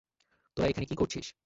তোরা এখানে কি করছিস?